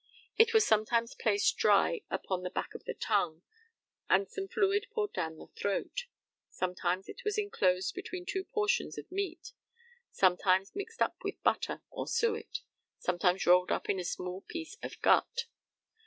It was sometimes placed dry upon the back of the tongue, and some fluid poured down the throat; sometimes it was enclosed between two portions of meat; sometimes mixed up with butter or suet, and sometimes rolled up in a small piece of gut.